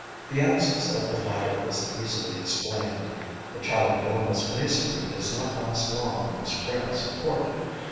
The absence of the latter is easily explained. The Chalicodoma's masonry does not last long on its frail support.